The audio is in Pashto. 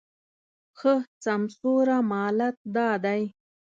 ښه سمسوره مالت دا دی